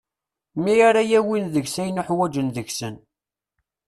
Mi ara awin deg-s ayen uḥwaǧen deg-sen.